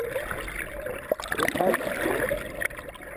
kʰuwe tʰaykuik baan